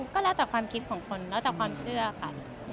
ก็แล้วแต่ความคิดของคนแล้วแต่ความเชื่อค่ะ